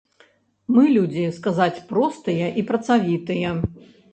Мы людзі, сказаць, простыя і працавітыя.